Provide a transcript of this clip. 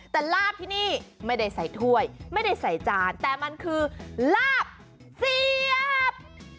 แต่ลาบที่นี่ไม่ได้ใส่ถ้วยไม่ได้ใส่จานแต่มันคือลาบเสียบ